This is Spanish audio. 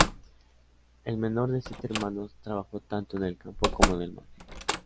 El menor de siete hermanos, trabajó tanto en el campo como en la mar.